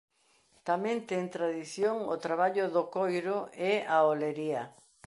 Tamén ten tradición o traballo do coiro e a olería.